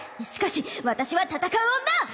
しかし私は戦う女！